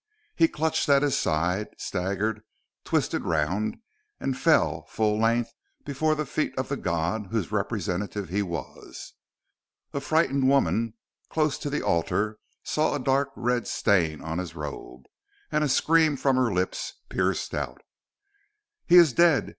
He clutched at his side, staggered, twisted round, and fell full length before the feet of the god whose representative he was. A frightened woman close to the altar saw a dark red stain on his robe, and a scream from her lips pierced out: "He is dead!